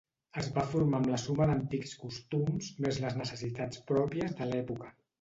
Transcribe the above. Es va formar amb la suma d'antics costums més les necessitats pròpies de l'època.